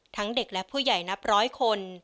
เด็กและผู้ใหญ่นับร้อยคน